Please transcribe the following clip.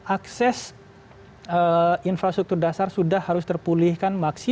akses infrastruktur dasar sudah harus terpulihkan